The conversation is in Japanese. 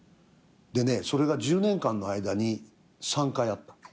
でねそれが１０年間の間に３回あった。